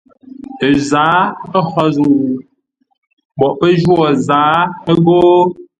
Ə zǎa hó zə̂u? Mboʼ pə́ jwô zǎa ghó?